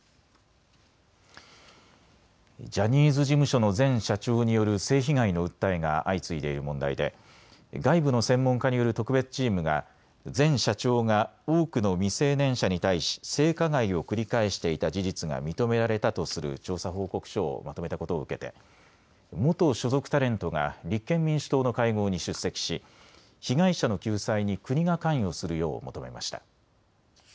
ジャニーズ事務所の前社長による性被害の訴えが相次いでいる問題で外部の専門家による特別チームが前社長が多くの未成年者に対し性加害を繰り返していた事実が認められたとする調査報告書をまとめたことを受けて元所属タレントが立憲民主党の会合に出席し被害者の救済に国が関与するよう求めました。